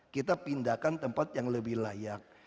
kita pindahkan tempat yang lebih layak